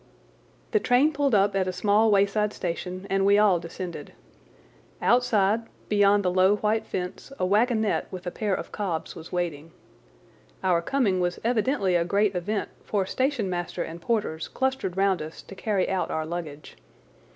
The train pulled up at a small wayside station and we all descended. Outside, beyond the low, white fence, a wagonette with a pair of cobs was waiting. Our coming was evidently a great event, for station master and porters clustered round us to carry out our luggage.